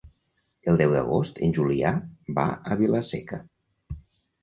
El deu d'agost en Julià va a Vila-seca.